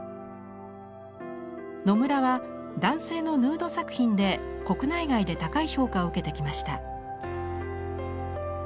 野村は男性のヌード作品で国内外で高い評価を受けてきました。